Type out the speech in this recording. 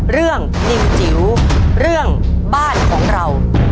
นิวจิ๋วเรื่องบ้านของเรา